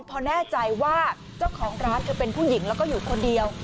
พอแน่ใจว่าเจ้าของร้านเธอเป็นผู้หญิงแล้วก็อยู่คนเดียว